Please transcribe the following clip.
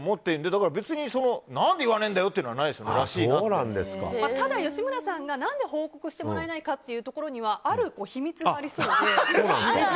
だから別に何で言わないんだよ！というのはただ、吉村さんが何で報告してもらえないかというところにはある秘密がありそうで。